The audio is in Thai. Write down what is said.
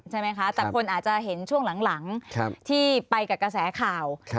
ใช่ไหมคะแต่คนอาจจะเห็นช่วงหลังที่ไปกับกระแสข่าว